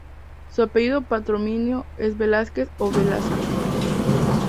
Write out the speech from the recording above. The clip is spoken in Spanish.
Su apellido patronímico es Velázquez o Velásquez.